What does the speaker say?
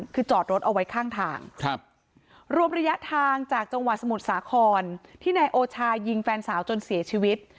คือจอดรถเอาไว้ข้างทางรวมระยะทางจากจังหวัดสมุทรสาครที่นายโอชายยิงแฟนสาวจนเสียชีวิต